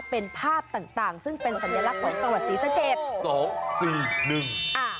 เป็นภาพต่างต่างซึ่งเป็นสัญลักษณ์ของจังหวัดศรีสะเกดสองสี่หนึ่งอ่า